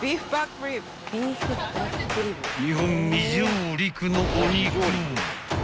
［日本未上陸のお肉］